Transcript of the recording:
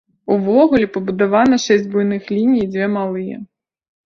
Увогуле пабудавана шэсць буйных ліній і дзве малыя.